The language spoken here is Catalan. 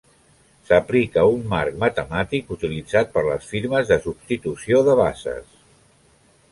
S’aplica un marc matemàtic utilitzat per les firmes de substitució de bases.